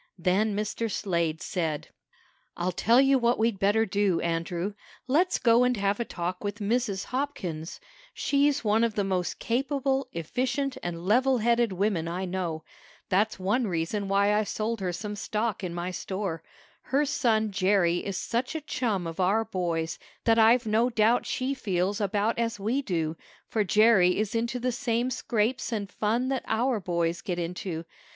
Then Mr. Slade said: "I'll tell you what we'd better do, Andrew. Let's go and have a talk with Mrs. Hopkins. She's one of the most capable, efficient and level headed women I know. That's one reason why I sold her some stock in my store. Her son Jerry is such a chum of our boys that I've no doubt she feels about as we do, for Jerry is into the same scrapes and fun that our boys get into.